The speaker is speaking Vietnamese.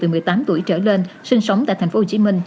tổng số người tử một mươi tám tuổi trở lên sinh sống tại tp hcm